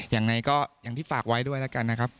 อย่างที่ฝากไว้ด้วยแล้วกันนะครับ